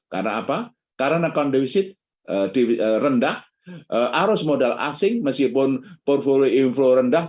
karena apa karena akun divisit rendah arus modal asing meskipun portfolio inflow rendah